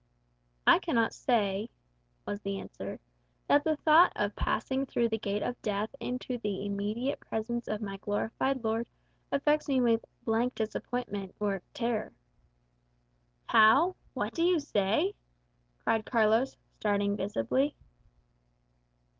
"I cannot say," was the answer, "that the thought of passing through the gate of death into the immediate presence of my glorified Lord affects me with 'blank disappointment' or 'terror.'" "How? What do you say?" cried Carlos, starting visibly.